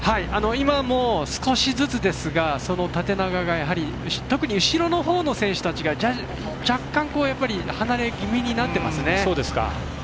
今、少しずつですがその縦長が特に後ろのほうの選手たちが若干、離れ気味になっていますね。